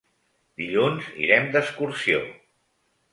Dilluns irem d'excursió.